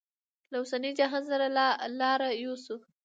له اوسني جهان سره لاره یوسو.